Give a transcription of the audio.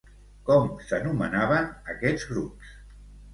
Com s'anomenaven aquests grups?